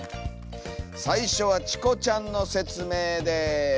最初はチコちゃんの説明です。